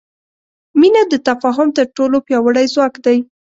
مینه د تفاهم تر ټولو پیاوړی ځواک دی.